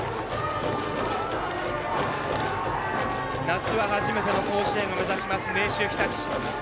夏は初めての甲子園を目指します明秀日立。